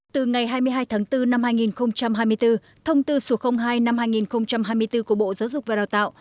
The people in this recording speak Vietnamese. từ ngày hai mươi hai tháng bốn năm hai nghìn hai mươi bốn thông tư số hai năm hai nghìn hai mươi bốn của bộ giáo dục và đào tạo